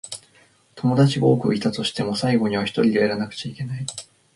友達が多くいたとしても、最後にはひとりでやらなくちゃならない。